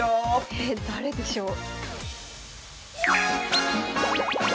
え誰でしょう？